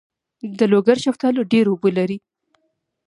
د لوګر شفتالو ډیر اوبه لري.